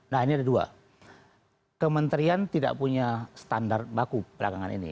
nah ini ada dua kementerian tidak punya standar baku belakangan ini